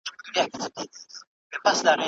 په اقتصاد کي د نوو طريقو څخه بايد استفاده وسي.